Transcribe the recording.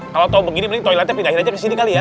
kalau tahu begini toiletnya pindahin aja ke sini kali ya